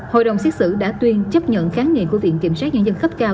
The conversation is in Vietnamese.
hội đồng xét xử đã tuyên chấp nhận kháng nghiệm của viện kiểm soát nhân dân cấp cao